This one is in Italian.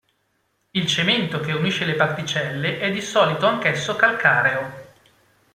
Il cemento che unisce le particelle è di solito anch'esso calcareo.